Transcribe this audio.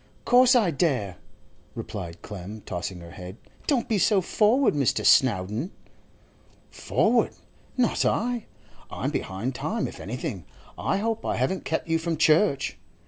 'Course I dare,' replied Clem, tossing her head. 'Don't be so forward, Mr. Snowdon.' 'Forward? Not I. I'm behind time if anything. I hope I haven't kept you from church.